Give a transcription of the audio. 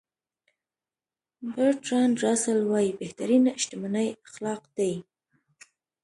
برتراند راسل وایي بهترینه شتمني اخلاق دي.